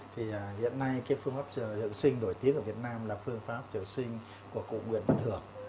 thì hiện nay cái phương pháp dưỡng sinh nổi tiếng ở việt nam là phương pháp triệu sinh của cụ nguyễn văn hưởng